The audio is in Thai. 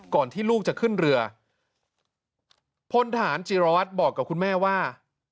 ที่ลูกจะขึ้นเรือพลทหารจิรวัตรบอกกับคุณแม่ว่า